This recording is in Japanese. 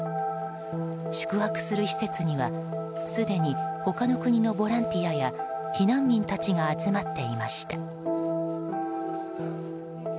宿泊する施設には、すでに他の国のボランティアや避難民たちが集まっていました。